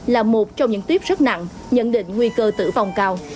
là một trong những tuyếp rất nặng nhận định nguy cơ tử vong cao